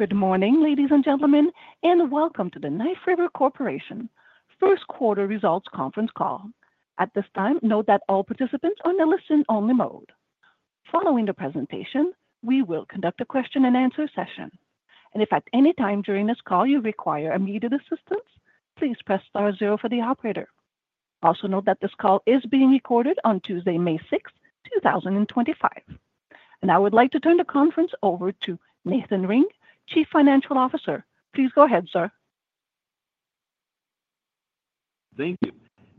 Good morning, ladies and gentlemen, and welcome to the Knife River Corporation First Quarter Results Conference Call. At this time, note that all participants are in a listen-only mode. Following the presentation, we will conduct a question-and-answer session. If at any time during this call you require immediate assistance, please press star zero for the operator. Also note that this call is being recorded on Tuesday, May 6th, 2025. I would like to turn the conference over to Nathan Ring, Chief Financial Officer. Please go ahead, sir. Thank you,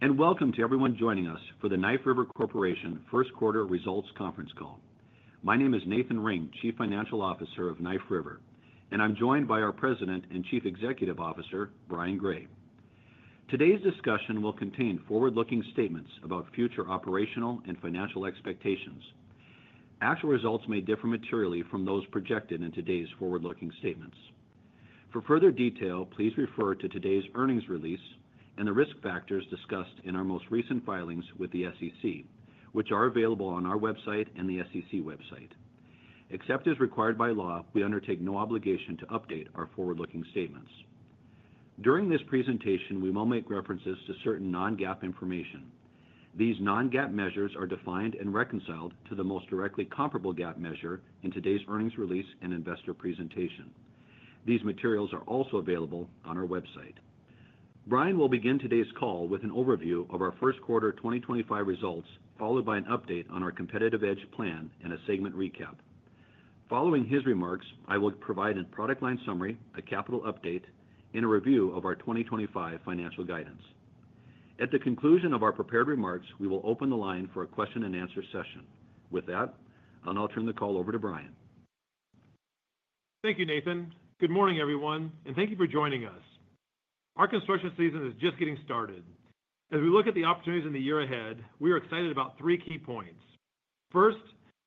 and welcome to everyone joining us for the Knife River Corporation First Quarter Results Conference Call. My name is Nathan Ring, Chief Financial Officer of Knife River, and I'm joined by our President and Chief Executive Officer, Brian Gray. Today's discussion will contain forward-looking statements about future operational and financial expectations. Actual results may differ materially from those projected in today's forward-looking statements. For further detail, please refer to today's earnings release and the risk factors discussed in our most recent filings with the SEC, which are available on our website and the SEC website. Except as required by law, we undertake no obligation to update our forward-looking statements. During this presentation, we will make references to certain non-GAAP information. These non-GAAP measures are defined and reconciled to the most directly comparable GAAP measure in today's earnings release and investor presentation. These materials are also available on our website. Brian will begin today's call with an overview of our first quarter 2025 results, followed by an update on our Competitive EDGE plan and a segment recap. Following his remarks, I will provide a product line summary, a capital update, and a review of our 2025 financial guidance. At the conclusion of our prepared remarks, we will open the line for a question-and-answer session. With that, I'll now turn the call over to Brian. Thank you, Nathan. Good morning, everyone, and thank you for joining us. Our construction season is just getting started. As we look at the opportunities in the year ahead, we are excited about three key points. First,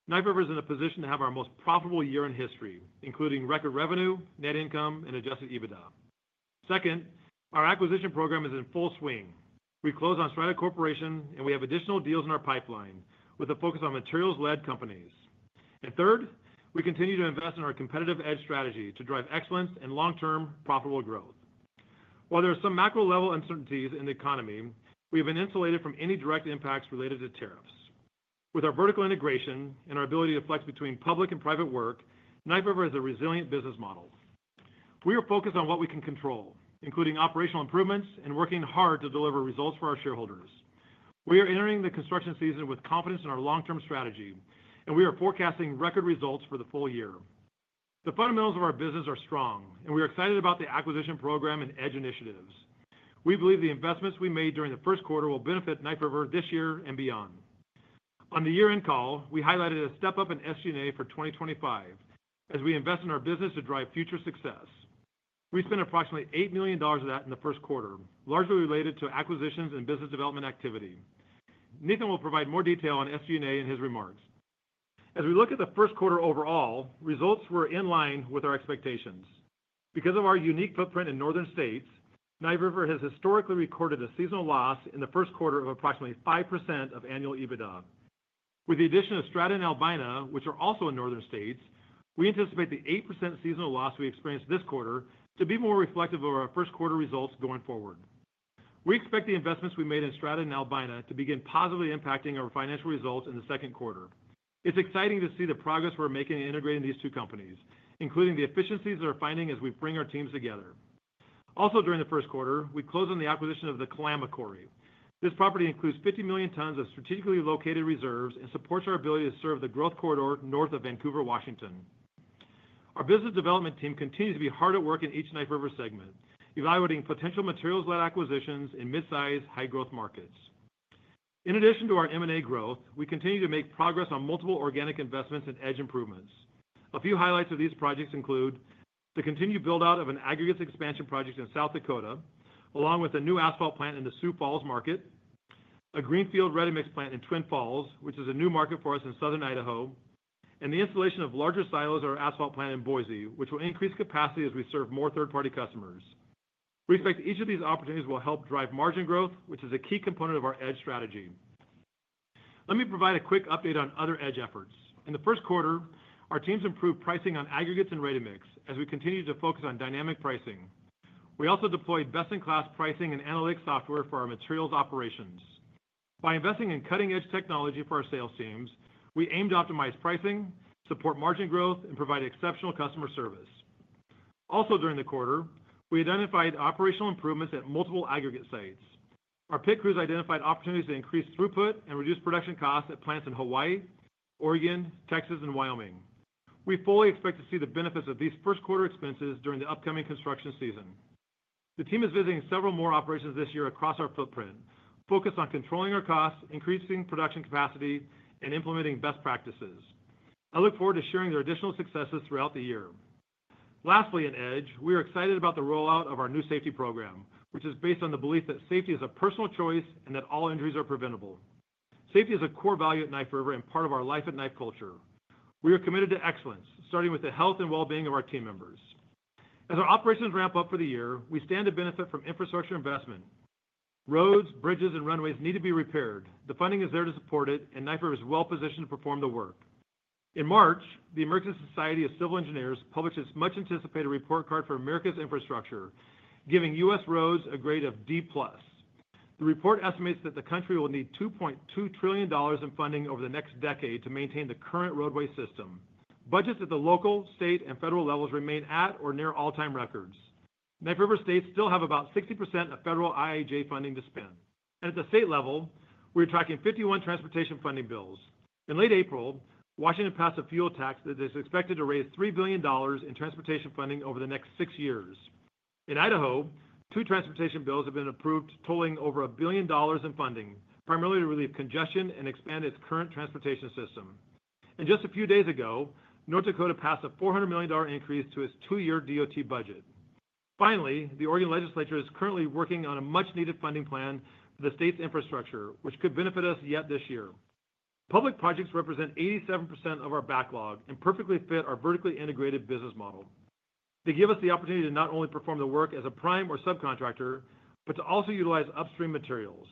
Knife River is in a position to have our most profitable year in history, including record revenue, net income, and adjusted EBITDA. Second, our acquisition program is in full swing. We closed on Strata Corporation, and we have additional deals in our pipeline with a focus on materials-led companies. Third, we continue to invest in our Competitive EDGE Strategy to drive excellence and long-term profitable growth. While there are some macro-level uncertainties in the economy, we have been insulated from any direct impacts related to tariffs. With our vertical integration and our ability to flex between public and private work, Knife River is a resilient business model. We are focused on what we can control, including operational improvements and working hard to deliver results for our shareholders. We are entering the construction season with confidence in our long-term strategy, and we are forecasting record results for the full year. The fundamentals of our business are strong, and we are excited about the acquisition program and EDGE initiatives. We believe the investments we made during the first quarter will benefit Knife River this year and beyond. On the year-end call, we highlighted a step-up in SG&A for 2025 as we invest in our business to drive future success. We spent approximately $8 million of that in the first quarter, largely related to acquisitions and business development activity. Nathan will provide more detail on SG&A in his remarks. As we look at the first quarter overall, results were in line with our expectations. Because of our unique footprint in northern states, Knife River has historically recorded a seasonal loss in the first quarter of approximately 5% of annual EBITDA. With the addition of Strata and Albina, which are also in northern states, we anticipate the 8% seasonal loss we experienced this quarter to be more reflective of our first-quarter results going forward. We expect the investments we made in Strata and Albina to begin positively impacting our financial results in the second quarter. It's exciting to see the progress we're making in integrating these two companies, including the efficiencies that we are finding as we bring our teams together. Also, during the first quarter, we closed on the acquisition of the Kalama Quarry. This property includes 50 million tons of strategically located reserves and supports our ability to serve the growth corridor north of Vancouver, Washington. Our business development team continues to be hard at work in each Knife River segment, evaluating potential materials-led acquisitions in mid-size, high-growth markets. In addition to our M&A growth, we continue to make progress on multiple organic investments and edge improvements. A few highlights of these projects include the continued build-out of an aggregates expansion project in South Dakota, along with a new asphalt plant in the Sioux Falls market, a greenfield ready-mix plant in Twin Falls, which is a new market for us in southern Idaho, and the installation of larger silos at our asphalt plant in Boise, which will increase capacity as we serve more third-party customers. We expect each of these opportunities will help drive margin growth, which is a key component of our edge strategy. Let me provide a quick update on other edge efforts. In the first quarter, our teams improved pricing on aggregates and ready-mix as we continue to focus on dynamic pricing. We also deployed best-in-class pricing and analytic software for our materials operations. By investing in cutting-edge technology for our sales teams, we aim to optimize pricing, support margin growth, and provide exceptional customer service. Also, during the quarter, we identified operational improvements at multiple aggregate sites. Our pit crews identified opportunities to increase throughput and reduce production costs at plants in Hawaii, Oregon, Texas, and Wyoming. We fully expect to see the benefits of these first-quarter expenses during the upcoming construction season. The team is visiting several more operations this year across our footprint, focused on controlling our costs, increasing production capacity, and implementing best practices. I look forward to sharing their additional successes throughout the year. Lastly, in EDGE, we are excited about the rollout of our new safety program, which is based on the belief that safety is a personal choice and that all injuries are preventable. Safety is a core value at Knife River and part of our life and life culture. We are committed to excellence, starting with the health and well-being of our team members. As our operations ramp up for the year, we stand to benefit from infrastructure investment. Roads, bridges, and runways need to be repaired. The funding is there to support it, and Knife River is well-positioned to perform the work. In March, the American Society of Civil Engineers published its much-anticipated report card for America's infrastructure, giving U.S. roads a grade of D plus. The report estimates that the country will need $2.2 trillion in funding over the next decade to maintain the current roadway system. Budgets at the local, state, and federal levels remain at or near all-time records. Knife River states still have about 60% of federal IAJ funding to spend. At the state level, we are tracking 51 transportation funding bills. In late April, Washington passed a fuel tax that is expected to raise $3 billion in transportation funding over the next six years. In Idaho, two transportation bills have been approved, totaling over $1 billion in funding, primarily to relieve congestion and expand its current transportation system. Just a few days ago, North Dakota passed a $400 million increase to its two-year DOT budget. Finally, the Oregon legislature is currently working on a much-needed funding plan for the state's infrastructure, which could benefit us yet this year. Public projects represent 87% of our backlog and perfectly fit our vertically integrated business model. They give us the opportunity to not only perform the work as a prime or subcontractor, but to also utilize upstream materials.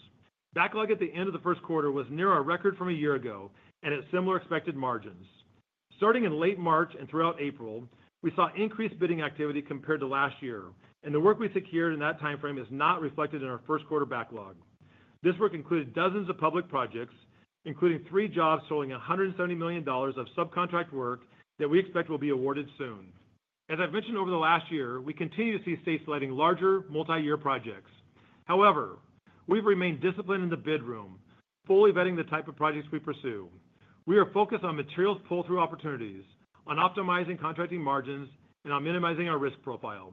Backlog at the end of the first quarter was near our record from a year ago and at similar expected margins. Starting in late March and throughout April, we saw increased bidding activity compared to last year, and the work we secured in that timeframe is not reflected in our first-quarter backlog. This work included dozens of public projects, including three jobs totaling $170 million of subcontract work that we expect will be awarded soon. As I've mentioned over the last year, we continue to see states lighting larger, multi-year projects. However, we've remained disciplined in the bid room, fully vetting the type of projects we pursue. We are focused on materials pull-through opportunities, on optimizing contracting margins, and on minimizing our risk profile.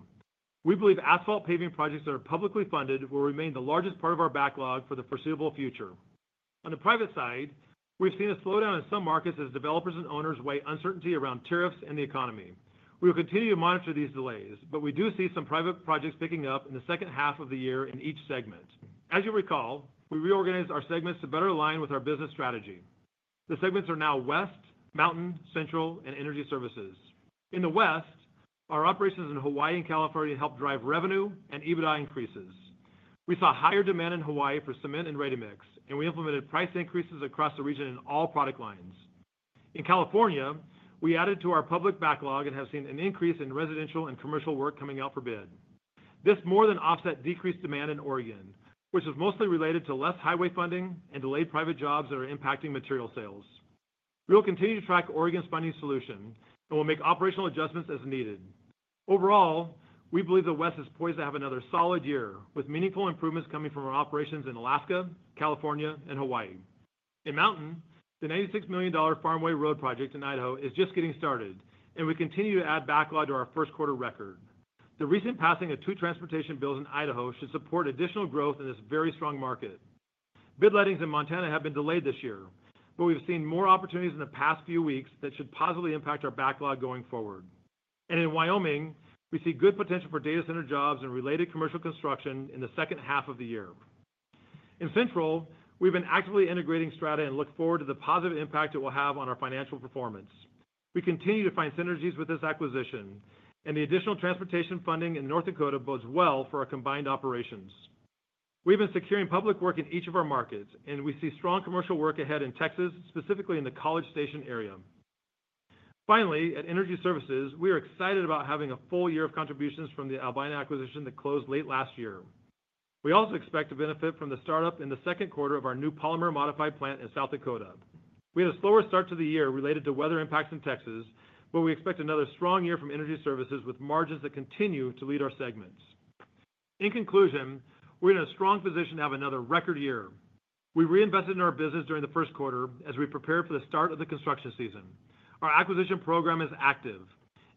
We believe asphalt paving projects that are publicly funded will remain the largest part of our backlog for the foreseeable future. On the private side, we've seen a slowdown in some markets as developers and owners weigh uncertainty around tariffs and the economy. We will continue to monitor these delays, but we do see some private projects picking up in the second half of the year in each segment. As you recall, we reorganized our segments to better align with our business strategy. The segments are now West, Mountain, Central, and Energy Services. In the West, our operations in Hawaii and California helped drive revenue and EBITDA increases. We saw higher demand in Hawaii for cement and ready-mix, and we implemented price increases across the region in all product lines. In California, we added to our public backlog and have seen an increase in residential and commercial work coming out for bid. This more than offset decreased demand in Oregon, which is mostly related to less highway funding and delayed private jobs that are impacting material sales. We will continue to track Oregon's funding solution and will make operational adjustments as needed. Overall, we believe the West is poised to have another solid year with meaningful improvements coming from our operations in Alaska, California, and Hawaii. In Mountain, the $96 million Farmway Road project in Idaho is just getting started, and we continue to add backlog to our first quarter record. The recent passing of two transportation bills in Idaho should support additional growth in this very strong market. Bid lightings in Montana have been delayed this year, but we've seen more opportunities in the past few weeks that should positively impact our backlog going forward. In Wyoming, we see good potential for data center jobs and related commercial construction in the second half of the year. In Central, we've been actively integrating Strata and look forward to the positive impact it will have on our financial performance. We continue to find synergies with this acquisition, and the additional transportation funding in North Dakota bodes well for our combined operations. We've been securing public work in each of our markets, and we see strong commercial work ahead in Texas, specifically in the College Station area. Finally, at Energy Services, we are excited about having a full year of contributions from the Albina Asphalt acquisition that closed late last year. We also expect to benefit from the startup in the second quarter of our new polymer modified plant in South Dakota. We had a slower start to the year related to weather impacts in Texas, but we expect another strong year from Energy Services with margins that continue to lead our segments. In conclusion, we're in a strong position to have another record year. We reinvested in our business during the first quarter as we prepared for the start of the construction season. Our acquisition program is active,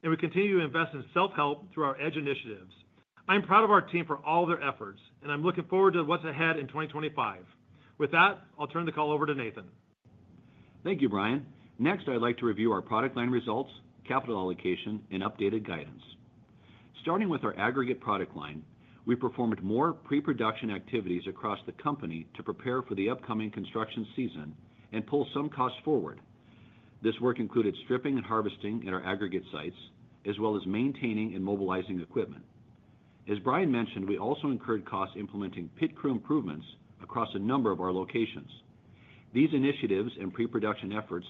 and we continue to invest in self-help through our edge initiatives. I'm proud of our team for all of their efforts, and I'm looking forward to what's ahead in 2025. With that, I'll turn the call over to Nathan. Thank you, Brian. Next, I'd like to review our product line results, capital allocation, and updated guidance. Starting with our aggregate product line, we performed more pre-production activities across the company to prepare for the upcoming construction season and pull some costs forward. This work included stripping and harvesting at our aggregate sites, as well as maintaining and mobilizing equipment. As Brian mentioned, we also incurred costs implementing pit crew improvements across a number of our locations. These initiatives and pre-production efforts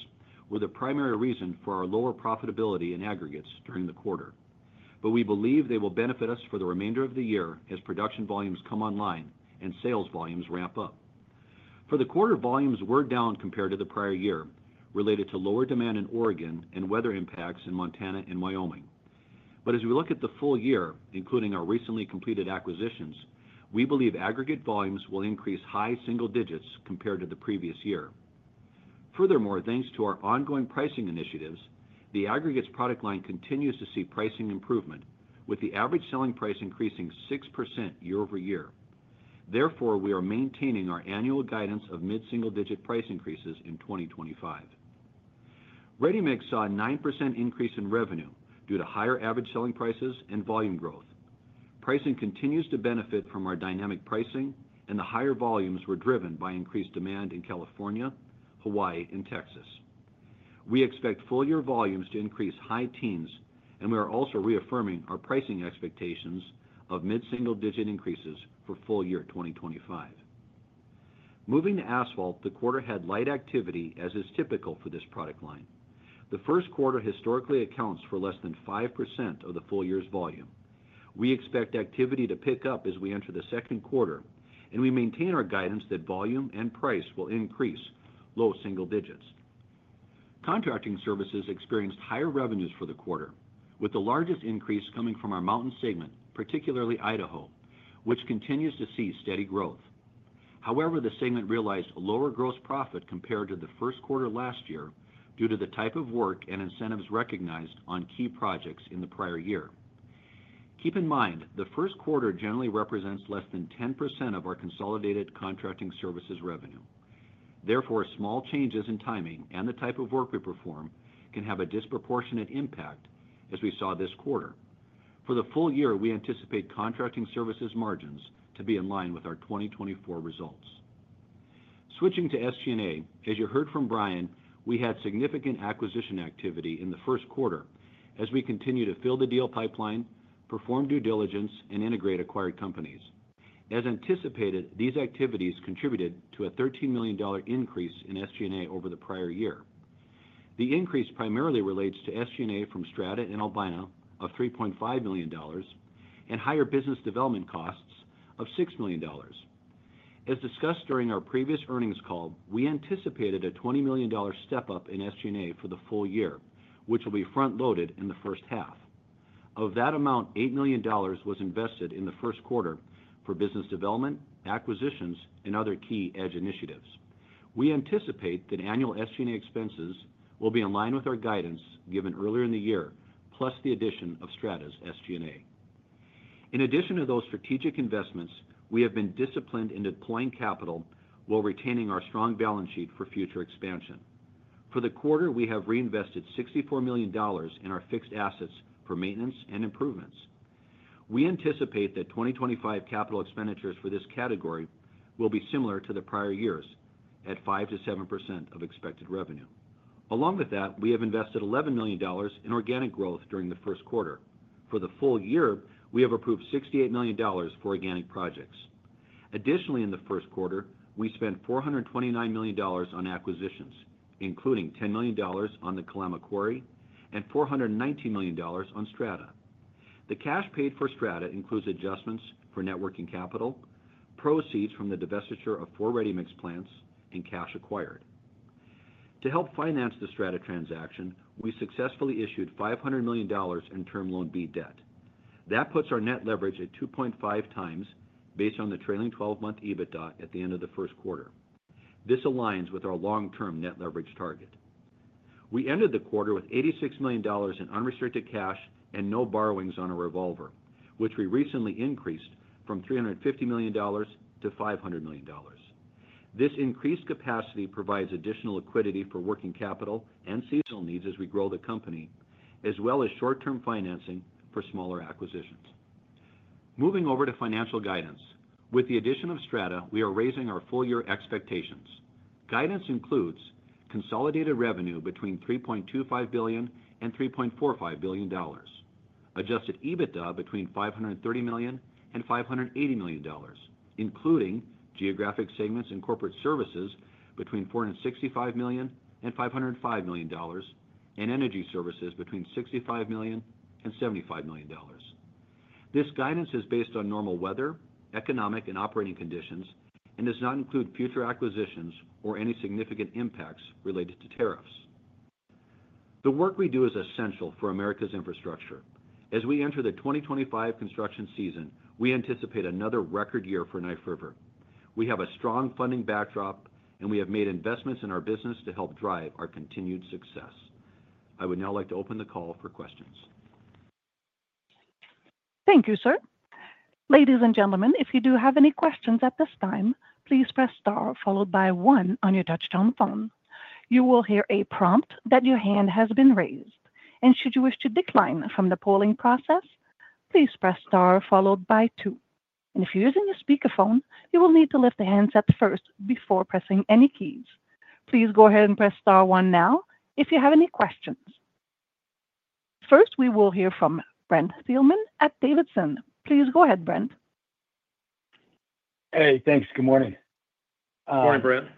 were the primary reason for our lower profitability in aggregates during the quarter, but we believe they will benefit us for the remainder of the year as production volumes come online and sales volumes ramp up. For the quarter, volumes were down compared to the prior year related to lower demand in Oregon and weather impacts in Montana and Wyoming. As we look at the full year, including our recently completed acquisitions, we believe aggregate volumes will increase high single digits compared to the previous year. Furthermore, thanks to our ongoing pricing initiatives, the aggregates product line continues to see pricing improvement, with the average selling price increasing 6% year over year. Therefore, we are maintaining our annual guidance of mid-single-digit price increases in 2025. Ready-mix saw a 9% increase in revenue due to higher average selling prices and volume growth. Pricing continues to benefit from our dynamic pricing, and the higher volumes were driven by increased demand in California, Hawaii, and Texas. We expect full-year volumes to increase high teens, and we are also reaffirming our pricing expectations of mid-single-digit increases for full year 2025. Moving to asphalt, the quarter had light activity, as is typical for this product line. The first quarter historically accounts for less than 5% of the full year's volume. We expect activity to pick up as we enter the second quarter, and we maintain our guidance that volume and price will increase low single digits. Contracting services experienced higher revenues for the quarter, with the largest increase coming from our Mountain segment, particularly Idaho, which continues to see steady growth. However, the segment realized lower gross profit compared to the first quarter last year due to the type of work and incentives recognized on key projects in the prior year. Keep in mind, the first quarter generally represents less than 10% of our consolidated contracting services revenue. Therefore, small changes in timing and the type of work we perform can have a disproportionate impact as we saw this quarter. For the full year, we anticipate contracting services margins to be in line with our 2024 results. Switching to SG&A, as you heard from Brian, we had significant acquisition activity in the first quarter as we continue to fill the deal pipeline, perform due diligence, and integrate acquired companies. As anticipated, these activities contributed to a $13 million increase in SG&A over the prior year. The increase primarily relates to SG&A from Strata and Albina of $3.5 million and higher business development costs of $6 million. As discussed during our previous earnings call, we anticipated a $20 million step-up in SG&A for the full year, which will be front-loaded in the first half. Of that amount, $8 million was invested in the first quarter for business development, acquisitions, and other key EDGE initiatives. We anticipate that annual SG&A expenses will be in line with our guidance given earlier in the year, plus the addition of Strata's SG&A. In addition to those strategic investments, we have been disciplined in deploying capital while retaining our strong balance sheet for future expansion. For the quarter, we have reinvested $64 million in our fixed assets for maintenance and improvements. We anticipate that 2025 capital expenditures for this category will be similar to the prior years at 5%-7% of expected revenue. Along with that, we have invested $11 million in organic growth during the first quarter. For the full year, we have approved $68 million for organic projects. Additionally, in the first quarter, we spent $429 million on acquisitions, including $10 million on the Kalama Quarry and $419 million on Strata. The cash paid for Strata includes adjustments for networking capital, proceeds from the divestiture of four ready-mix plants, and cash acquired. To help finance the Strata transaction, we successfully issued $500 million in term loan B debt. That puts our net leverage at 2.5 times based on the trailing 12-month EBITDA at the end of the first quarter. This aligns with our long-term net leverage target. We ended the quarter with $86 million in unrestricted cash and no borrowings on a revolver, which we recently increased from $350 million to $500 million. This increased capacity provides additional liquidity for working capital and seasonal needs as we grow the company, as well as short-term financing for smaller acquisitions. Moving over to financial guidance. With the addition of Strata, we are raising our full-year expectations. Guidance includes consolidated revenue between $3.25 billion and $3.45 billion, adjusted EBITDA between $530 million and $580 million, including geographic segments and corporate services between $465 million and $505 million, and energy services between $65 million and $75 million. This guidance is based on normal weather, economic, and operating conditions and does not include future acquisitions or any significant impacts related to tariffs. The work we do is essential for America's infrastructure. As we enter the 2025 construction season, we anticipate another record year for Knife River. We have a strong funding backdrop, and we have made investments in our business to help drive our continued success. I would now like to open the call for questions. Thank you, sir. Ladies and gentlemen, if you do have any questions at this time, please press star followed by one on your touch-tone phone. You will hear a prompt that your hand has been raised. Should you wish to decline from the polling process, please press star followed by two. If you're using a speakerphone, you will need to lift the handset first before pressing any keys. Please go ahead and press star one now if you have any questions. First, we will hear from Brent Thielman at Davidson. Please go ahead, Brent. Hey, thanks. Good morning. Morning, Brent.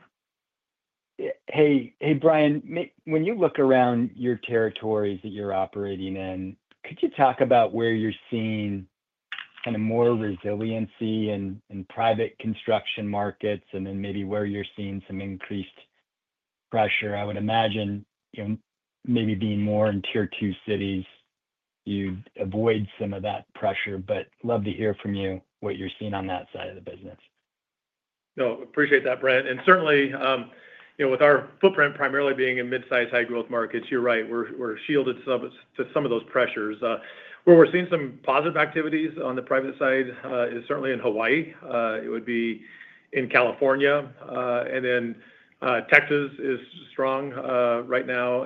Hey, Brian. When you look around your territories that you're operating in, could you talk about where you're seeing kind of more resiliency in private construction markets and then maybe where you're seeing some increased pressure? I would imagine maybe being more in tier two cities, you'd avoid some of that pressure, but love to hear from you what you're seeing on that side of the business. No, appreciate that, Brent. Certainly, with our footprint primarily being in mid-size high-growth markets, you're right, we're shielded to some of those pressures. Where we're seeing some positive activities on the private side is certainly in Hawaii. It would be in California, and then Texas is strong right now.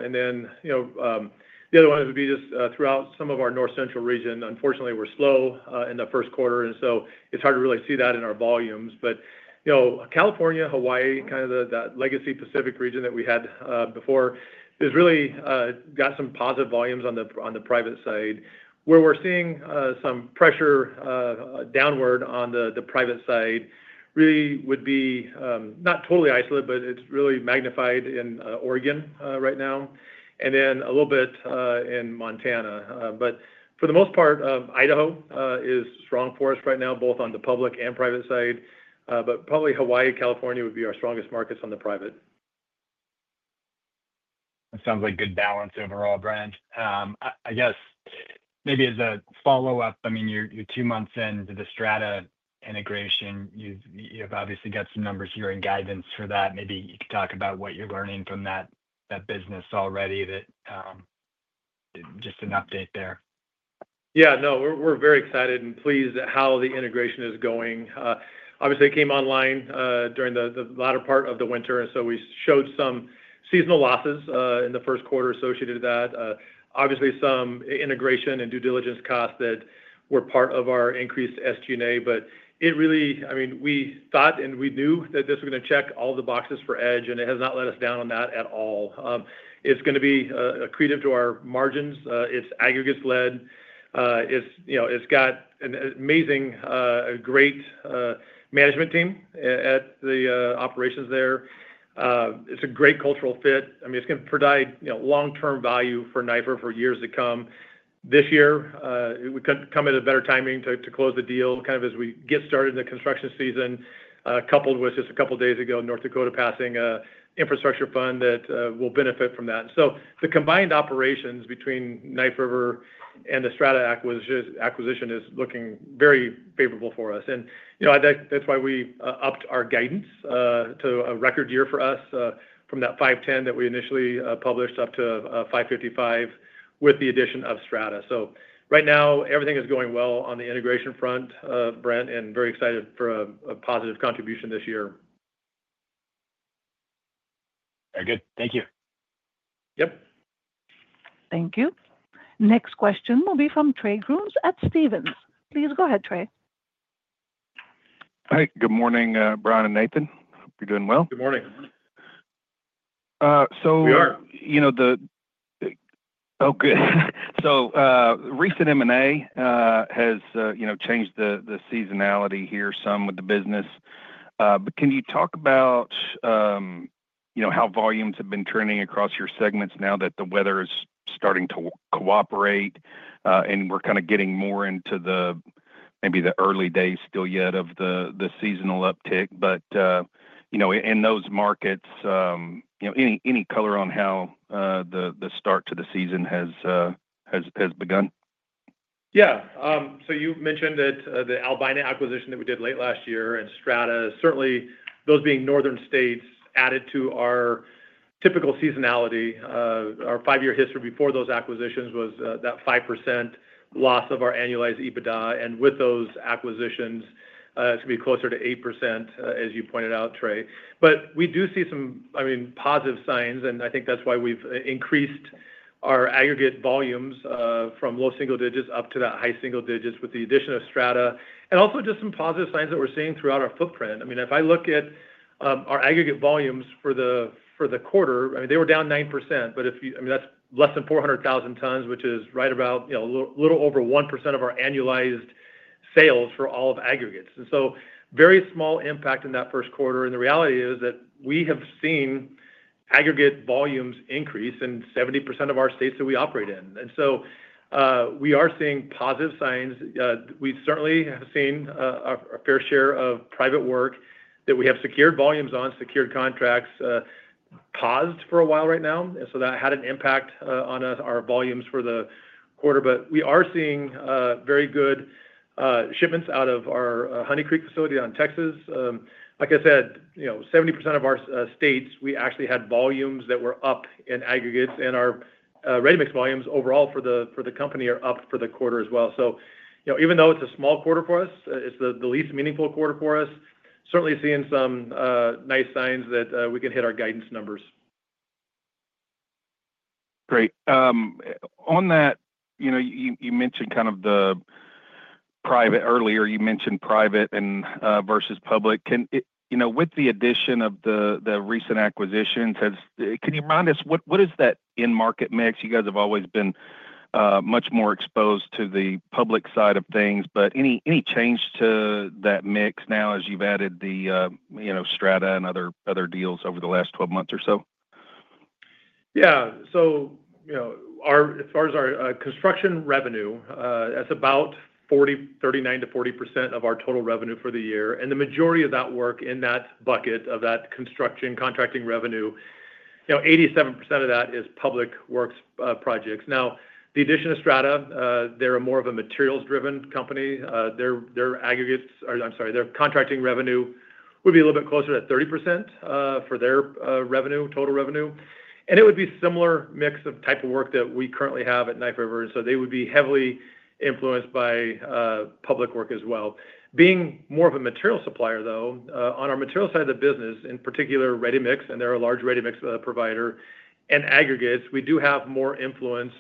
The other one would be just throughout some of our North Central region. Unfortunately, we're slow in the first quarter, and so it's hard to really see that in our volumes. California, Hawaii, kind of that legacy Pacific region that we had before has really got some positive volumes on the private side. Where we're seeing some pressure downward on the private side really would be not totally isolated, but it's really magnified in Oregon right now, and then a little bit in Montana. For the most part, Idaho is strong for us right now, both on the public and private side, but probably Hawaii, California would be our strongest markets on the private. That sounds like a good balance overall, Brent. I guess maybe as a follow-up, I mean, you're two months into the Strata integration. You've obviously got some numbers here in guidance for that. Maybe you could talk about what you're learning from that business already, just an update there. Yeah, no, we're very excited and pleased at how the integration is going. Obviously, it came online during the latter part of the winter, and so we showed some seasonal losses in the first quarter associated with that. Obviously, some integration and due diligence costs that were part of our increased SG&A, but it really, I mean, we thought and we knew that this was going to check all the boxes for EDGE, and it has not let us down on that at all. It's going to be accretive to our margins. It's aggregates-led. It's got an amazing, great management team at the operations there. It's a great cultural fit. I mean, it's going to provide long-term value for Knife River for years to come. This year, we could not come at a better timing to close the deal kind of as we get started in the construction season, coupled with just a couple of days ago, North Dakota passing an infrastructure fund that will benefit from that. The combined operations between Knife River and the Strata acquisition is looking very favorable for us. That is why we upped our guidance to a record year for us from that $510 million that we initially published up to $555 million with the addition of Strata. Right now, everything is going well on the integration front, Brent, and very excited for a positive contribution this year. Very good. Thank you. Yep. Thank you. Next question will be from Trey Grooms at Stephens. Please go ahead, Trey. Hi, good morning, Brian and Nathan. Hope you're doing well. Good morning. So. We are. Oh, good. Recent M&A has changed the seasonality here some with the business. Can you talk about how volumes have been trending across your segments now that the weather is starting to cooperate and we're kind of getting more into maybe the early days still yet of the seasonal uptick? In those markets, any color on how the start to the season has begun? Yeah. You mentioned that the Albina acquisition that we did late last year and Strata, certainly those being northern states, added to our typical seasonality. Our five-year history before those acquisitions was that 5% loss of our annualized EBITDA. With those acquisitions, it's going to be closer to 8%, as you pointed out, Trey. We do see some, I mean, positive signs, and I think that's why we've increased our aggregate volumes from low single digits up to that high single digits with the addition of Strata. Also, just some positive signs that we're seeing throughout our footprint. I mean, if I look at our aggregate volumes for the quarter, I mean, they were down 9%, but that's less than 400,000 tons, which is right about a little over 1% of our annualized sales for all of aggregates. There was very small impact in that first quarter. The reality is that we have seen aggregate volumes increase in 70% of our states that we operate in. We are seeing positive signs. We certainly have seen a fair share of private work that we have secured volumes on, secured contracts paused for a while right now. That had an impact on our volumes for the quarter. We are seeing very good shipments out of our Honey Creek facility in Texas. Like I said, 70% of our states, we actually had volumes that were up in aggregates, and our ready-mix volumes overall for the company are up for the quarter as well. Even though it is a small quarter for us, it is the least meaningful quarter for us, certainly seeing some nice signs that we can hit our guidance numbers. Great. On that, you mentioned kind of the private earlier, you mentioned private versus public. With the addition of the recent acquisitions, can you remind us what is that in-market mix? You guys have always been much more exposed to the public side of things, but any change to that mix now as you've added the Strata and other deals over the last 12 months or so? Yeah. As far as our construction revenue, that's about 39%-40% of our total revenue for the year. The majority of that work in that bucket of that construction contracting revenue, 87% of that is public works projects. Now, the addition of Strata, they're more of a materials-driven company. Their aggregates or, I'm sorry, their contracting revenue would be a little bit closer to 30% for their total revenue. It would be a similar mix of type of work that we currently have at Knife River. They would be heavily influenced by public work as well. Being more of a material supplier, though, on our material side of the business, in particular, ready-mix, and they're a large ready-mix provider, and aggregates, we do have more influence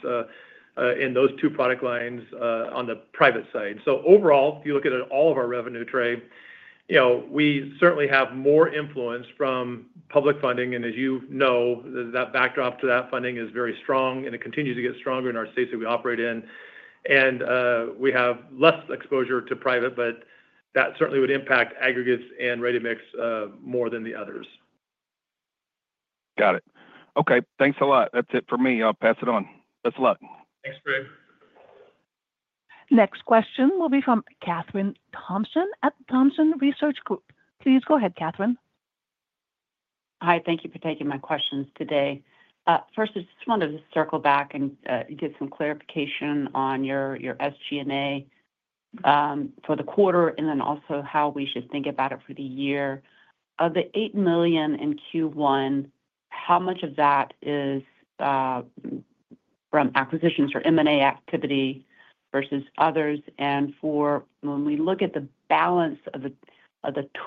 in those two product lines on the private side. Overall, if you look at all of our revenue, Trey, we certainly have more influence from public funding. As you know, that backdrop to that funding is very strong, and it continues to get stronger in our states that we operate in. We have less exposure to private, but that certainly would impact aggregates and ready-mix more than the others. Got it. Okay. Thanks a lot. That's it for me. I'll pass it on. Best of luck. Thanks, Greg. Next question will be from Kathryn Thompson at Thompson Research Group. Please go ahead, Kathryn. Hi. Thank you for taking my questions today. First, I just wanted to circle back and get some clarification on your SG&A for the quarter and then also how we should think about it for the year. Of the $8 million in Q1, how much of that is from acquisitions or M&A activity versus others? When we look at the balance of the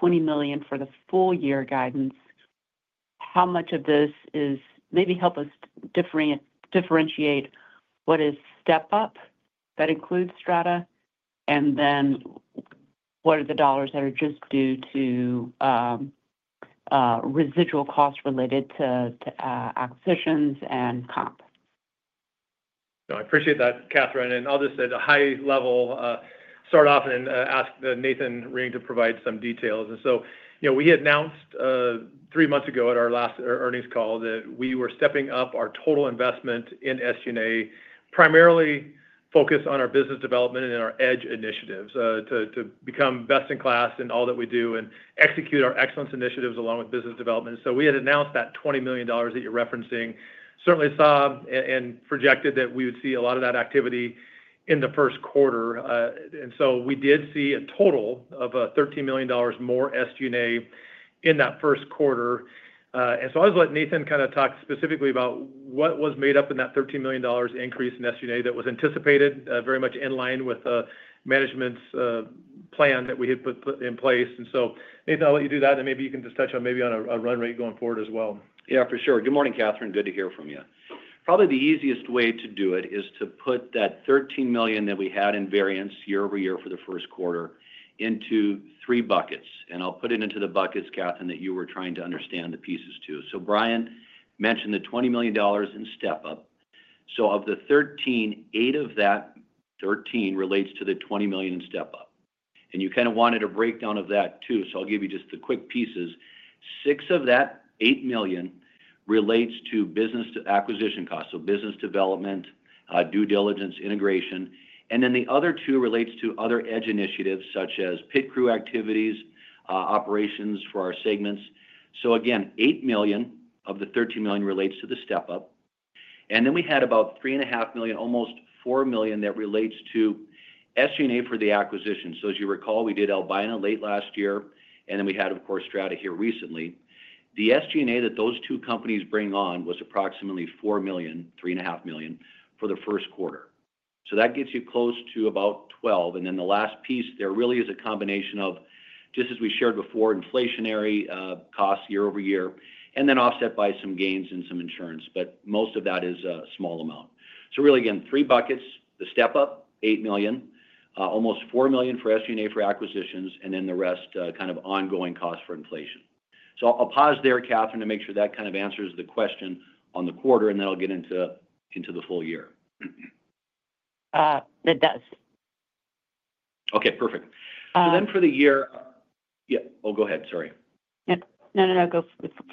$20 million for the full-year guidance, how much of this is, maybe help us differentiate what is step-up that includes Strata and then what are the dollars that are just due to residual costs related to acquisitions and comp? I appreciate that, Kathryn. I'll just at a high level start off and ask Nathan Ring to provide some details. We announced three months ago at our last earnings call that we were stepping up our total investment in SG&A, primarily focused on our business development and our edge initiatives to become best in class in all that we do and execute our excellence initiatives along with business development. We had announced that $20 million that you're referencing, certainly saw and projected that we would see a lot of that activity in the first quarter. We did see a total of $13 million more SG&A in that first quarter. I was letting Nathan kind of talk specifically about what was made up in that $13 million increase in SG&A that was anticipated very much in line with management's plan that we had put in place. Nathan, I'll let you do that. Maybe you can just touch on maybe on a run rate going forward as well. Yeah, for sure. Good morning, Kathryn. Good to hear from you. Probably the easiest way to do it is to put that $13 million that we had in variance year over year for the first quarter into three buckets. I'll put it into the buckets, Kathryn, that you were trying to understand the pieces to. Brian mentioned the $20 million in step-up. Of the $13 million, $8 million of that $13 million relates to the $20 million in step-up. You kind of wanted a breakdown of that too. I'll give you just the quick pieces. $6 million of that $8 million relates to business acquisition costs, so business development, due diligence, integration. The other $2 million relates to other EDGE initiatives such as pit crew activities, operations for our segments. Again, $8 million of the $13 million relates to the step-up. Then we had about $3.5 million, almost $4 million, that relates to SG&A for the acquisition. As you recall, we did Albina late last year, and then we had, of course, Strata here recently. The SG&A that those two companies bring on was approximately $4 million, $3.5 million for the first quarter. That gets you close to about $12 million. The last piece there really is a combination of, just as we shared before, inflationary costs year over year, and then offset by some gains and some insurance. Most of that is a small amount. Really, again, three buckets: the step-up, $8 million, almost $4 million for SG&A for acquisitions, and then the rest kind of ongoing costs for inflation. I'll pause there, Kathryn, to make sure that kind of answers the question on the quarter, and then I'll get into the full year. It does. Okay. Perfect. So then for the year, yeah, oh, go ahead. Sorry. No, no. Go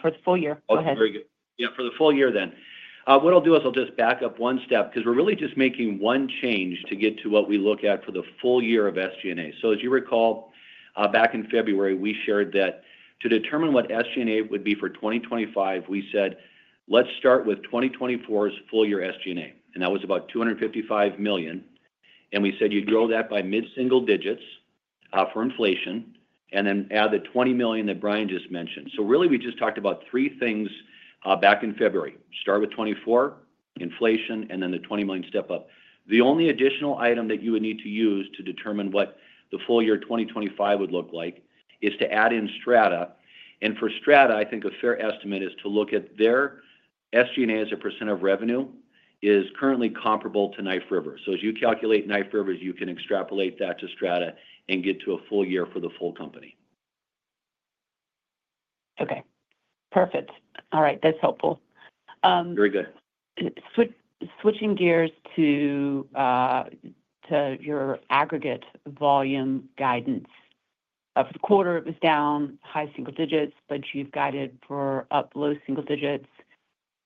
for the full year. Go ahead. Oh, very good. Yeah, for the full year then. What I'll do is I'll just back up one step because we're really just making one change to get to what we look at for the full year of SG&A. As you recall, back in February, we shared that to determine what SG&A would be for 2025, we said, "Let's start with 2024's full-year SG&A." That was about $255 million. We said you'd grow that by mid-single digits for inflation and then add the $20 million that Brian just mentioned. Really, we just talked about three things back in February: start with 2024, inflation, and then the $20 million step-up. The only additional item that you would need to use to determine what the full year 2025 would look like is to add in Strata. For Strata, I think a fair estimate is to look at their SG&A as a % of revenue is currently comparable to Knife River. As you calculate Knife River, you can extrapolate that to Strata and get to a full year for the full company. Okay. Perfect. All right. That's helpful. Very good. Switching gears to your aggregate volume guidance. For the quarter, it was down high single digits, but you've guided for up low single digits.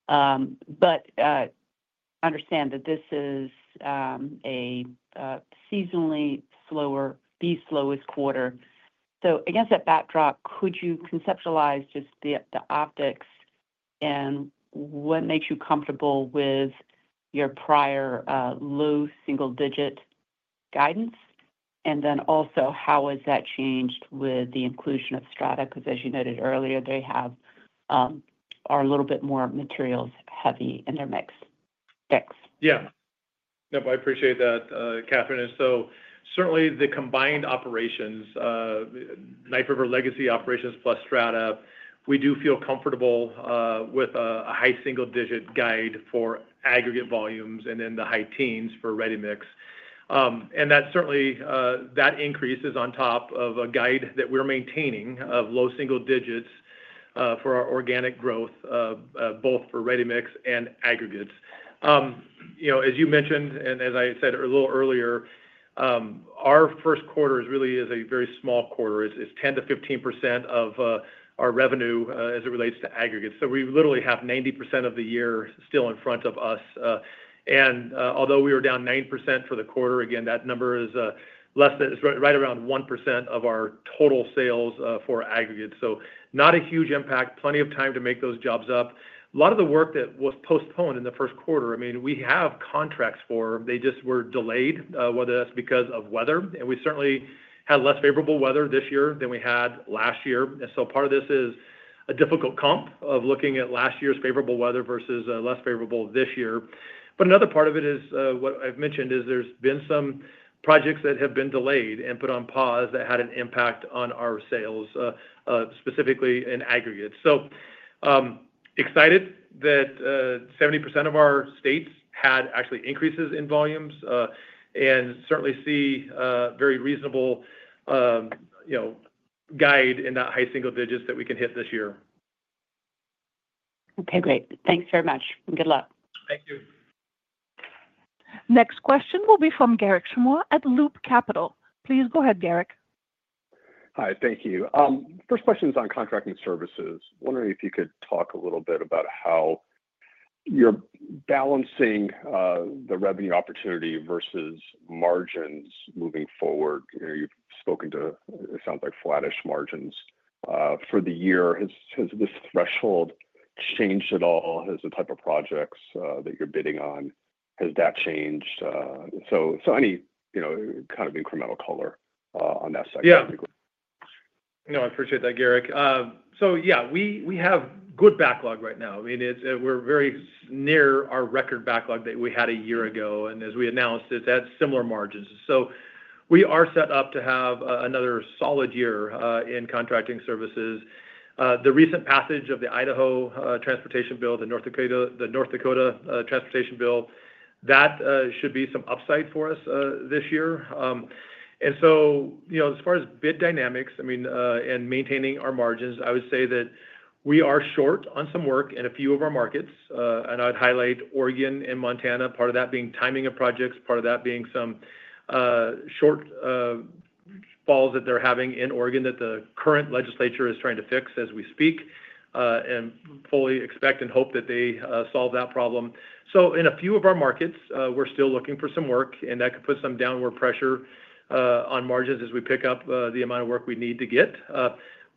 I understand that this is a seasonally slower, the slowest quarter. Against that backdrop, could you conceptualize just the optics and what makes you comfortable with your prior low single-digit guidance? Also, how has that changed with the inclusion of Strata? As you noted earlier, they are a little bit more materials-heavy in their mix. Thanks. Yeah. No, I appreciate that, Kathryn. Certainly, the combined operations, Knife River legacy operations plus Strata, we do feel comfortable with a high single-digit guide for aggregate volumes and then the high teens for ready-mix. Certainly, that increase is on top of a guide that we're maintaining of low single digits for our organic growth, both for ready-mix and aggregates. As you mentioned, and as I said a little earlier, our first quarter really is a very small quarter. It's 10-15% of our revenue as it relates to aggregates. We literally have 90% of the year still in front of us. Although we were down 9% for the quarter, again, that number is less than right around 1% of our total sales for aggregates. Not a huge impact, plenty of time to make those jobs up. A lot of the work that was postponed in the first quarter, I mean, we have contracts for, they just were delayed, whether that's because of weather. We certainly had less favorable weather this year than we had last year. Part of this is a difficult comp of looking at last year's favorable weather versus less favorable this year. Another part of it is what I've mentioned is there's been some projects that have been delayed and put on pause that had an impact on our sales, specifically in aggregates. Excited that 70% of our states had actually increases in volumes and certainly see very reasonable guide in that high single digits that we can hit this year. Okay. Great. Thanks very much. And good luck. Thank you. Next question will be from Garik Shmois at Loop Capital. Please go ahead, Garik. Hi. Thank you. First question is on contracting services. Wondering if you could talk a little bit about how you're balancing the revenue opportunity versus margins moving forward. You've spoken to, it sounds like, flattish margins for the year. Has this threshold changed at all? Has the type of projects that you're bidding on, has that changed? Any kind of incremental color on that side? Yeah. No, I appreciate that, Garik. So yeah, we have good backlog right now. I mean, we're very near our record backlog that we had a year ago. And as we announced, it's at similar margins. So we are set up to have another solid year in contracting services. The recent passage of the Idaho Transportation Bill, the North Dakota Transportation Bill, that should be some upside for us this year. And so as far as bid dynamics, I mean, and maintaining our margins, I would say that we are short on some work in a few of our markets. And I'd highlight Oregon and Montana, part of that being timing of projects, part of that being some shortfalls that they're having in Oregon that the current legislature is trying to fix as we speak and fully expect and hope that they solve that problem. In a few of our markets, we're still looking for some work, and that could put some downward pressure on margins as we pick up the amount of work we need to get.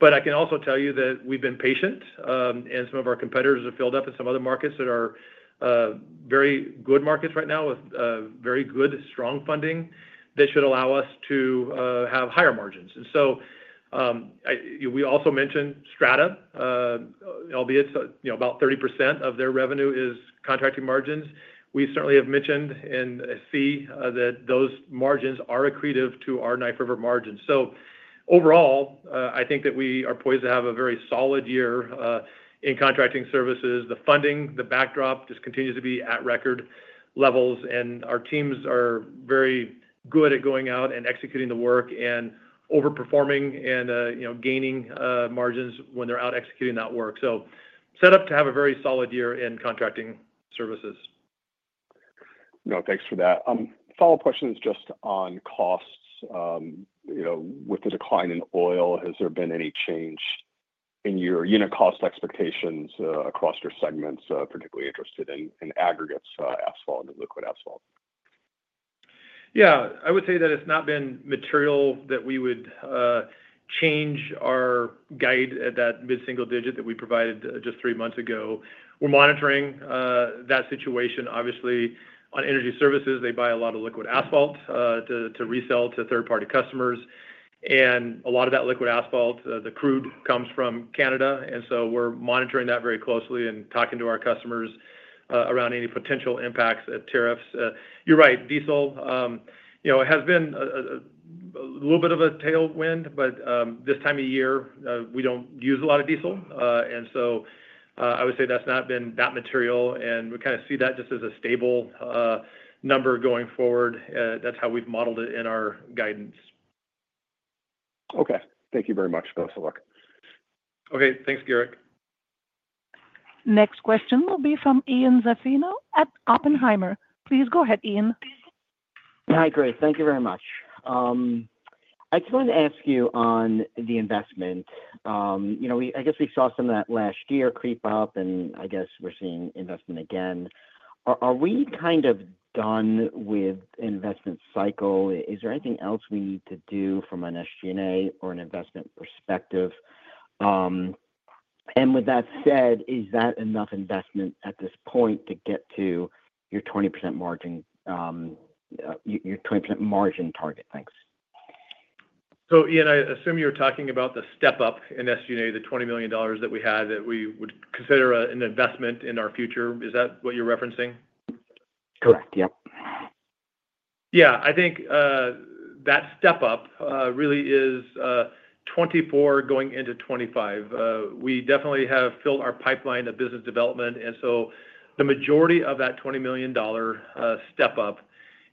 I can also tell you that we've been patient, and some of our competitors have filled up in some other markets that are very good markets right now with very good, strong funding that should allow us to have higher margins. We also mentioned Strata, albeit about 30% of their revenue is contracting margins. We certainly have mentioned and see that those margins are accretive to our Knife River margins. Overall, I think that we are poised to have a very solid year in contracting services. The funding, the backdrop just continues to be at record levels. Our teams are very good at going out and executing the work and overperforming and gaining margins when they're out executing that work. Set up to have a very solid year in contracting services. No, thanks for that. Follow-up questions just on costs. With the decline in oil, has there been any change in your unit cost expectations across your segments? Particularly interested in aggregates, asphalt, and liquid asphalt. Yeah. I would say that it's not been material that we would change our guide at that mid-single digit that we provided just three months ago. We're monitoring that situation. Obviously, on energy services, they buy a lot of liquid asphalt to resell to third-party customers. And a lot of that liquid asphalt, the crude, comes from Canada. We're monitoring that very closely and talking to our customers around any potential impacts at tariffs. You're right. Diesel has been a little bit of a tailwind, but this time of year, we don't use a lot of diesel. I would say that's not been that material. We kind of see that just as a stable number going forward. That's how we've modeled it in our guidance. Okay. Thank you very much. Thanks a lot. Okay. Thanks, Garik. Next question will be from Ian Zaffino at Oppenheimer. Please go ahead, Ian. Hi, Great. Thank you very much. I just wanted to ask you on the investment. I guess we saw some of that last year creep up, and I guess we're seeing investment again. Are we kind of done with investment cycle? Is there anything else we need to do from an SG&A or an investment perspective? With that said, is that enough investment at this point to get to your 20% margin target? Thanks. Ian, I assume you're talking about the step-up in SG&A, the $20 million that we had that we would consider an investment in our future. Is that what you're referencing? Correct. Yep. Yeah. I think that step-up really is 2024 going into 2025. We definitely have filled our pipeline of business development. The majority of that $20 million step-up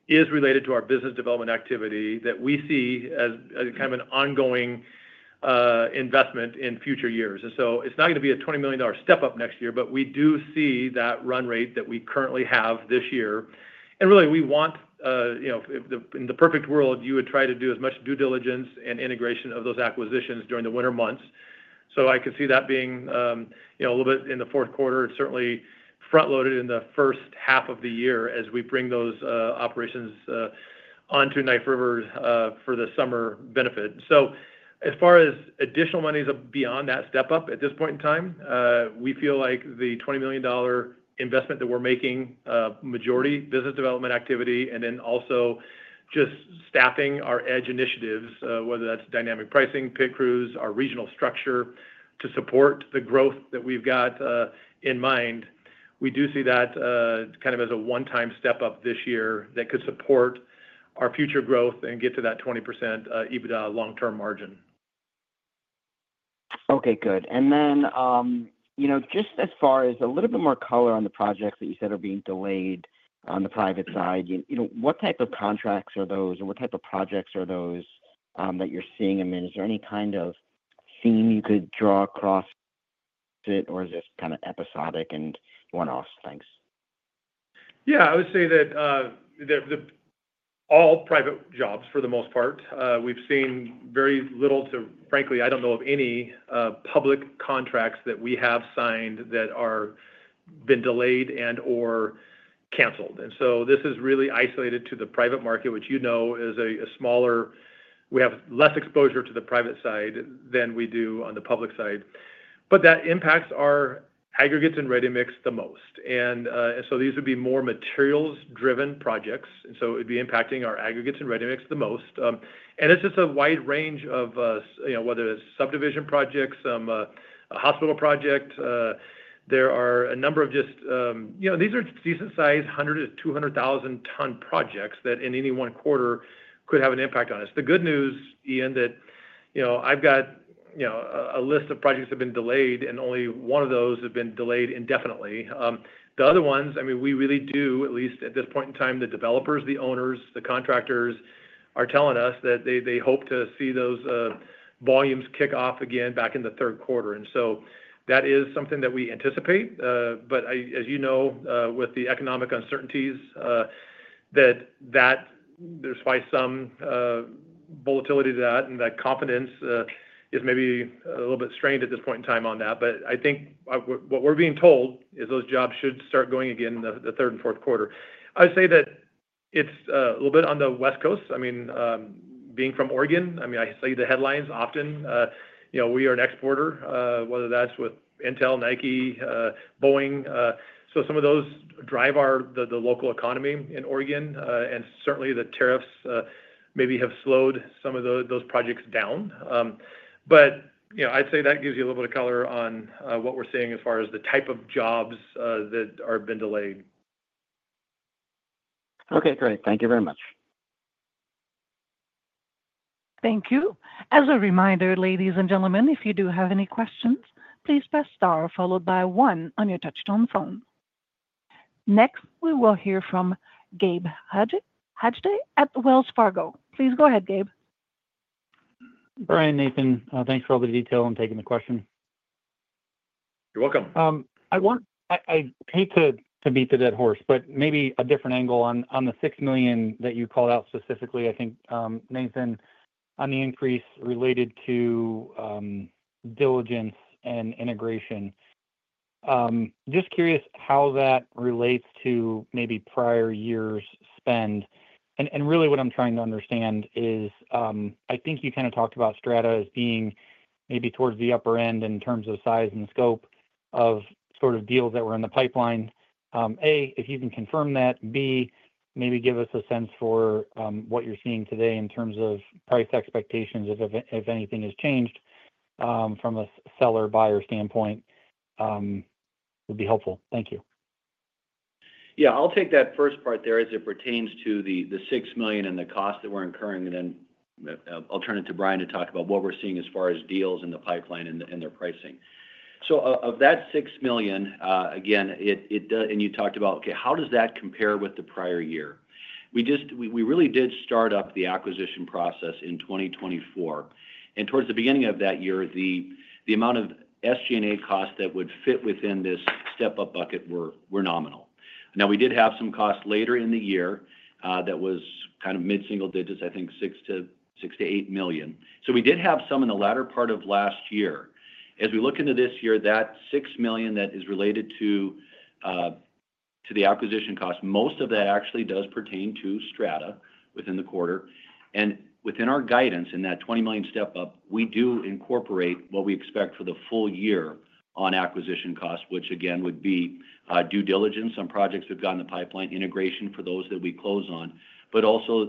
is related to our business development activity that we see as kind of an ongoing investment in future years. It is not going to be a $20 million step-up next year, but we do see that run rate that we currently have this year. Really, we want in the perfect world, you would try to do as much due diligence and integration of those acquisitions during the winter months. I could see that being a little bit in the fourth quarter and certainly front-loaded in the first half of the year as we bring those operations onto Knife River for the summer benefit. As far as additional monies beyond that step-up at this point in time, we feel like the $20 million investment that we're making, majority business development activity, and then also just staffing our EDGE initiatives, whether that's dynamic pricing, pit crews, our regional structure to support the growth that we've got in mind, we do see that kind of as a one-time step-up this year that could support our future growth and get to that 20% EBITDA long-term margin. Okay. Good. And then just as far as a little bit more color on the projects that you said are being delayed on the private side, what type of contracts are those or what type of projects are those that you're seeing? I mean, is there any kind of theme you could draw across it, or is it just kind of episodic and one-offs? Thanks. Yeah. I would say that all private jobs, for the most part, we've seen very little to, frankly, I don't know of any public contracts that we have signed that have been delayed or canceled. This is really isolated to the private market, which, you know, is smaller. We have less exposure to the private side than we do on the public side. That impacts our aggregates and ready-mix the most. These would be more materials-driven projects. It would be impacting our aggregates and ready-mix the most. It's just a wide range of whether it's subdivision projects, a hospital project. There are a number of just, these are decent-sized 100,000-200,000 ton projects that in any one quarter could have an impact on us. The good news, Ian, that I've got a list of projects that have been delayed, and only one of those has been delayed indefinitely. The other ones, I mean, we really do, at least at this point in time, the developers, the owners, the contractors are telling us that they hope to see those volumes kick off again back in the third quarter. That is something that we anticipate. As you know, with the economic uncertainties, there's probably some volatility to that, and that confidence is maybe a little bit strained at this point in time on that. I think what we're being told is those jobs should start going again in the third and fourth quarter. I would say that it's a little bit on the West Coast. I mean, being from Oregon, I mean, I see the headlines often. We are an exporter, whether that's with Intel, Nike, Boeing. Some of those drive the local economy in Oregon. Certainly, the tariffs maybe have slowed some of those projects down. I'd say that gives you a little bit of color on what we're seeing as far as the type of jobs that have been delayed. Okay. Great. Thank you very much. Thank you. As a reminder, ladies and gentlemen, if you do have any questions, please press star followed by one on your touchstone phone. Next, we will hear from Gabe Hajde at Wells Fargo. Please go ahead, Gabe. All right, Nathan. Thanks for all the detail and taking the question. You're welcome. I hate to beat the dead horse, but maybe a different angle on the $6 million that you called out specifically. I think, Nathan, on the increase related to diligence and integration. Just curious how that relates to maybe prior year's spend. Really, what I'm trying to understand is I think you kind of talked about Strata as being maybe towards the upper end in terms of size and scope of sort of deals that were in the pipeline. A, if you can confirm that. B, maybe give us a sense for what you're seeing today in terms of price expectations, if anything has changed from a seller-buyer standpoint would be helpful. Thank you. Yeah. I'll take that first part there as it pertains to the $6 million and the cost that we're incurring. Then I'll turn it to Brian to talk about what we're seeing as far as deals in the pipeline and their pricing. Of that $6 million, again, and you talked about, okay, how does that compare with the prior year? We really did start up the acquisition process in 2024. Towards the beginning of that year, the amount of SG&A cost that would fit within this step-up bucket were nominal. Now, we did have some costs later in the year that was kind of mid-single digits, I think $6 million-$8 million. We did have some in the latter part of last year. As we look into this year, that $6 million that is related to the acquisition cost, most of that actually does pertain to Strata within the quarter. Within our guidance in that $20 million step-up, we do incorporate what we expect for the full year on acquisition costs, which again would be due diligence on projects that have gotten in the pipeline, integration for those that we close on, but also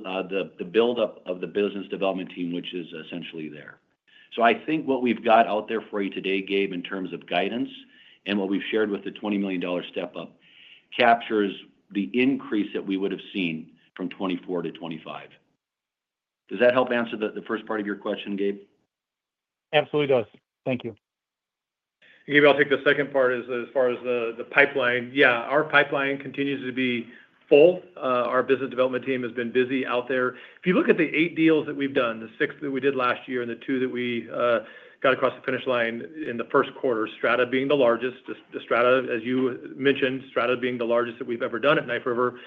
the build-up of the business development team, which is essentially there. I think what we've got out there for you today, Gabe, in terms of guidance and what we've shared with the $20 million step-up captures the increase that we would have seen from 2024 to 2025. Does that help answer the first part of your question, Gabe? Absolutely does. Thank you. Gabe, I'll take the second part as far as the pipeline. Yeah. Our pipeline continues to be full. Our business development team has been busy out there. If you look at the eight deals that we've done, the six that we did last year and the two that we got across the finish line in the first quarter, Strata being the largest, as you mentioned, Strata being the largest that we've ever done at Knife River.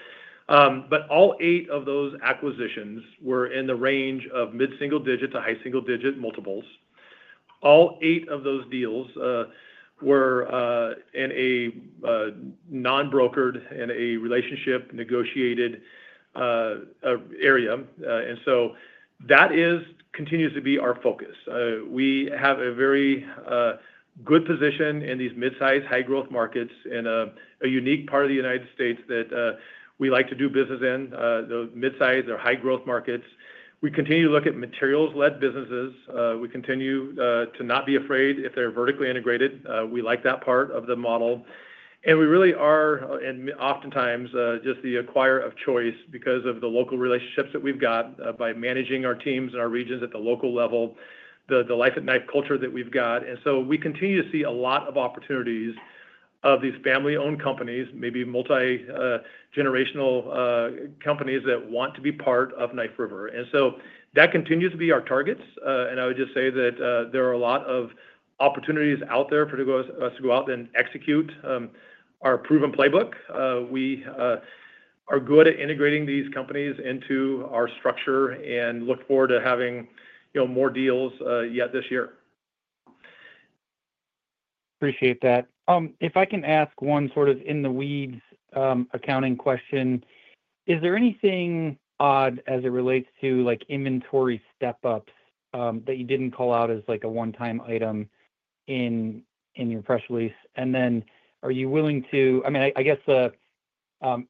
All eight of those acquisitions were in the range of mid-single digit to high-single digit multiples. All eight of those deals were in a non-brokered, in a relationship negotiated area. That continues to be our focus. We have a very good position in these mid-size, high-growth markets in a unique part of the United States that we like to do business in, the mid-size or high-growth markets. We continue to look at materials-led businesses. We continue to not be afraid if they're vertically integrated. We like that part of the model. We really are, and oftentimes, just the acquirer of choice because of the local relationships that we've got by managing our teams and our regions at the local level, the life-at-knife culture that we've got. We continue to see a lot of opportunities of these family-owned companies, maybe multi-generational companies that want to be part of Knife River. That continues to be our targets. I would just say that there are a lot of opportunities out there for us to go out and execute our proven playbook. We are good at integrating these companies into our structure and look forward to having more deals yet this year. Appreciate that. If I can ask one sort of in-the-weeds accounting question, is there anything odd as it relates to inventory step-ups that you did not call out as a one-time item in your press release? Are you willing to—I mean, I guess the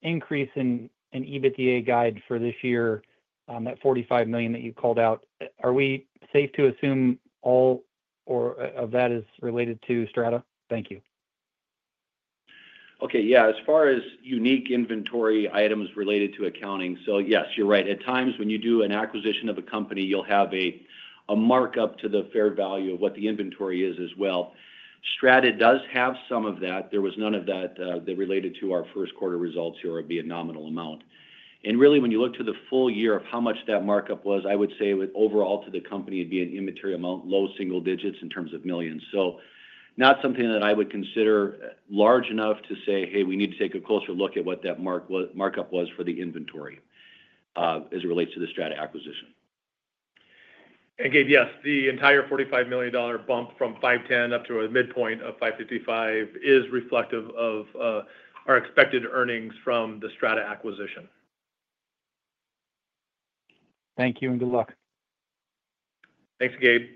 increase in EBITDA guide for this year at $45 million that you called out, are we safe to assume all of that is related to Strata? Thank you. Okay. Yeah. As far as unique inventory items related to accounting, yes, you're right. At times when you do an acquisition of a company, you'll have a markup to the fair value of what the inventory is as well. Strata does have some of that. There was none of that that related to our first quarter results here, would be a nominal amount. Really, when you look to the full year of how much that markup was, I would say overall to the company would be an immaterial amount, low single digits in terms of millions. Not something that I would consider large enough to say, "Hey, we need to take a closer look at what that markup was for the inventory as it relates to the Strata acquisition. Gabe, yes, the entire $45 million bump from $510 million up to a midpoint of $555 million is reflective of our expected earnings from the Strata acquisition. Thank you and good luck. Thanks, Gabe.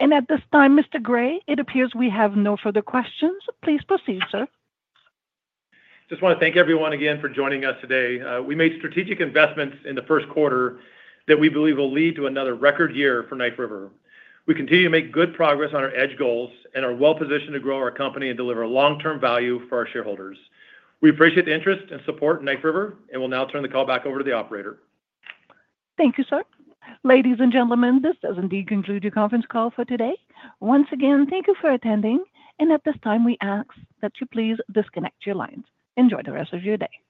At this time, Mr. Gray, it appears we have no further questions. Please proceed, sir. Just want to thank everyone again for joining us today. We made strategic investments in the first quarter that we believe will lead to another record year for Knife River. We continue to make good progress on our EDGE goals and are well-positioned to grow our company and deliver long-term value for our shareholders. We appreciate the interest and support in Knife River, and we'll now turn the call back over to the operator. Thank you, sir. Ladies and gentlemen, this does indeed conclude your conference call for today. Once again, thank you for attending. At this time, we ask that you please disconnect your lines. Enjoy the rest of your day.